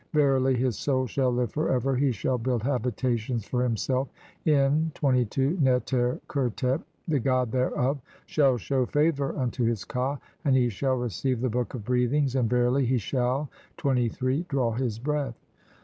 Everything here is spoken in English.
Verily, "his soul shall live for ever, he shall build habitations "for himself in (22) Neter khertet, the god thereof "shall shew favour unto his ka, and he shall receive "the Book of Breathings, and verily he shall (20) "draw his breath."